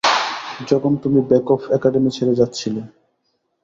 যখন তুমি Bekoff academy ছেড়ে যাচ্ছিলে।